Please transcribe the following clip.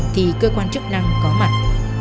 thì cơ quan chức năng có mặt